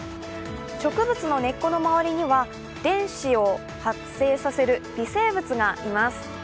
植物の根っこの周りには、電子を発生させる微生物がいます。